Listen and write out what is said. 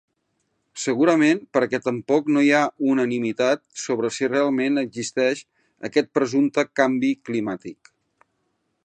Segurament perquè tampoc no hi ha unanimitat sobre si realment existeix aquest presumpte canvi climàtic.